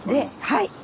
はい。